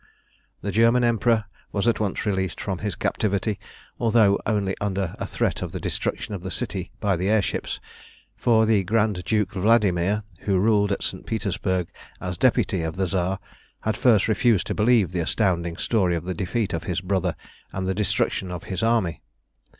The German Emperor was at once released from his captivity, although only under a threat of the destruction of the city by the air ships, for the Grand Duke Vladimir, who ruled at St. Petersburg as deputy of the Tsar, had first refused to believe the astounding story of the defeat of his brother and the destruction of his army.